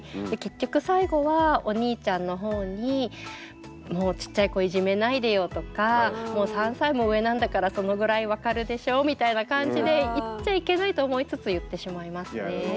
で結局最後はお兄ちゃんの方にもうちっちゃい子いじめないでよとかもう３歳も上なんだからそのぐらい分かるでしょみたいな感じで言っちゃいけないと思いつつ言ってしまいますね。